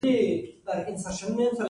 له هغه چې په ښه او بد پوهېدلی یم.